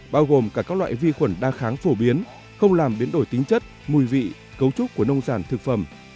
bao gồm cả các loại vi khuẩn đa kháng phổ biến không làm biến đổi tính chất mùi vị cấu trúc của nông sản thực phẩm